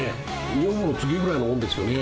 女房の次ぐらいなもんですよね。